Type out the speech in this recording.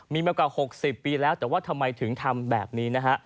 มีมากว่า๖๐ปีแล้วแต่ว่าทำไมถึงทำแบบนี้นะฮะ